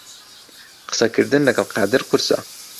قسەکردن لەگەڵ قادر قورسە.